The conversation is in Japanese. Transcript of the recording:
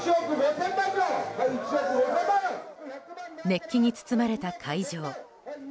熱気に包まれた会場。